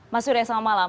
mas surya selamat malam